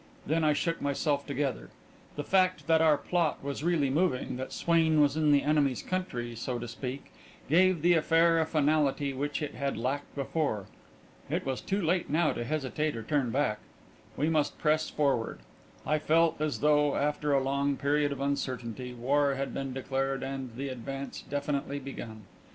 Then I shook myself together. The fact that our plot was really moving, that Swain was in the enemy's country, so to speak, gave the affair a finality which it had lacked before. It was too late now to hesitate or turn back; we must press forward. I felt as though, after a long period of uncertainty, war had been declared and the advance definitely begun.